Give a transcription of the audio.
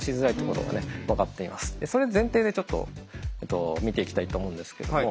それ前提でちょっと見ていきたいと思うんですけども。